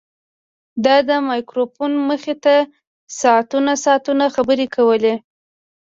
هغه د مایکروفون مخې ته ساعتونه ساعتونه خبرې کولې